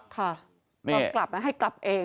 ค่ะตอนกลับให้กลับเอง